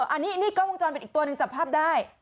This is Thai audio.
อันนี้นี่กล้องวงจรปิดอีกตัวหนึ่งจับภาพได้